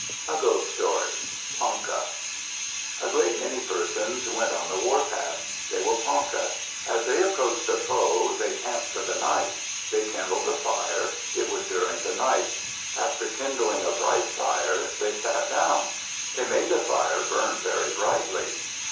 A GHOST STORY Ponca A great many persons went on the warpath. They were Ponca. As they approached the foe, they camped for the night. They kindled a fire. It was during the night. After kindling a bright fire, they sat down; they made the fire burn very brightly.